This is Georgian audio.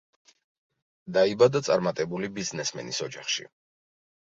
დაიბადა წარმატებული ბიზნესმენის ოჯახში.